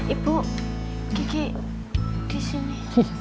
ibu gigi disini